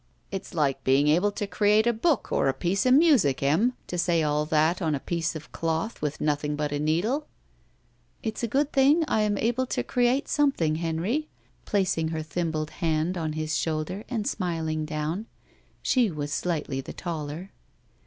*'It's like being able to create a book or a piece of music, Em, to say all that on a piece of doth with nothing but a needle." It's a good thing I am able to create something, Henry," placing her thimbled hand on his shoulder and smiling down. She was slightly the taller.